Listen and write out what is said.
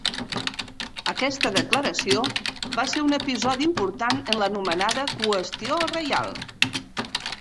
Aquesta declaració va ser un episodi important en l'anomenada qüestió reial.